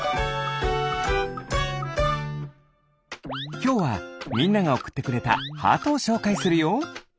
きょうはみんながおくってくれたハートをしょうかいするよ。